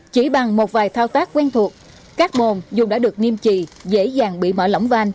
chỉ bằng một vài thao tác quen thuộc các môn dù đã được nghiêm trì dễ dàng bị mở lỏng van